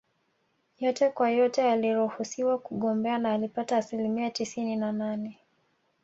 Yote kwa yote aliruhusiwa kugombea na alipata asilimia tisini na nane